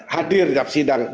hadir di persidangan